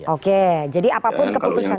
oke jadi apapun keputusan